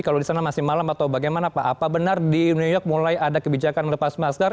kalau di sana masih malam atau bagaimana pak apa benar di new york mulai ada kebijakan melepas masker